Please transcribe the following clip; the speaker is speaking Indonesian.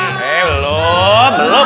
eh belum belum